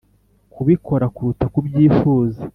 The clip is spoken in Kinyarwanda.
kubikora kuruta kubyifuza